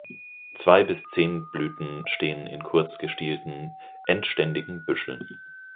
Zwei bis zehn Blüten stehen in kurz gestielten, endständigen Büscheln.